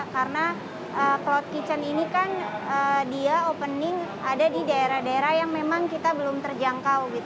karena cloud kitchen ini kan dia opening ada di daerah daerah yang memang kita belum terjangkau